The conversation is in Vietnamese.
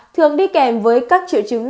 thường đi kèm với các triệu chứng